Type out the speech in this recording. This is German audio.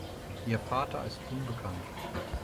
Ihr Vater ist unbekannt.